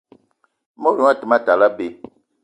I mot gnion a te ma tal abei